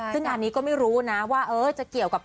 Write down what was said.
ซึ่งงานนี้ก็ไม่รู้นะว่าจะเกี่ยวกับ